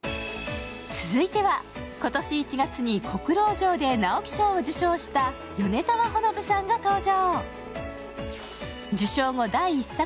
続いては、今年１月に「黒牢城」で直木賞を受賞した米澤穂信さんが登場。